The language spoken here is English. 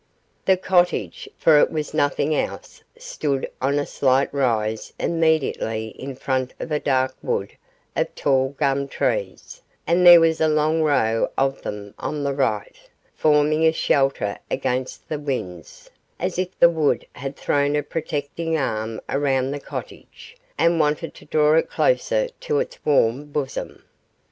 The cottage for it was nothing else stood on a slight rise immediately in front of a dark wood of tall gum trees, and there was a long row of them on the right, forming a shelter against the winds, as if the wood had thrown a protecting arm around the cottage, and wanted to draw it closer to its warm bosom.